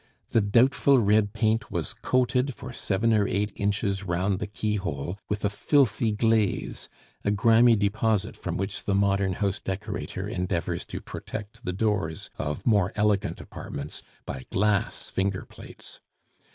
The doubtful red paint was coated for seven or eight inches round the keyhole with a filthy glaze, a grimy deposit from which the modern house decorator endeavors to protect the doors of more elegant apartments by glass "finger plates."